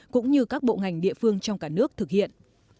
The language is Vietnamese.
cũng như các bộ ngành địa phương trong cả nước thực hiện